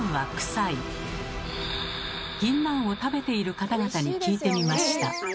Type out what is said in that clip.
ぎんなんを食べている方々に聞いてみました。